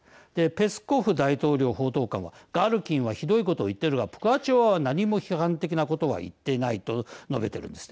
ペスコフ大統領報道官はガルキンはひどいことを言っているがプガチョワは何も批判的なことは言っていないと述べているんです。